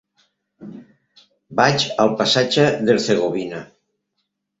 Vaig al passatge d'Hercegovina.